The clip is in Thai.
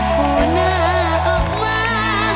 โหหน้าออกมา